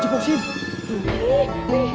jujur lah tuh fi